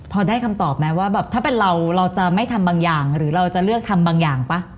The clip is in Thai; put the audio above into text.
พอได้คำตอบไหมว่าแบบถ้าเป็นเราเราจะไม่ทำบางอย่างหรือเราจะเลือกทำบางอย่างป่ะ